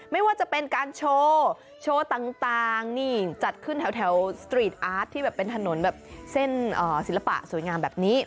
ไม่ว่าจะเป็นการโชว์โชว์ต่างนี่จัดขึ้นแถวสตรีทอาร์ตที่แบบเป็นถนนแบบเส้นศิลปะสวยงามแบบนี้